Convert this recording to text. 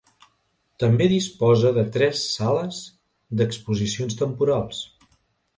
També disposa de tres sales d'exposicions temporals.